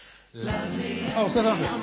あっお疲れさまです。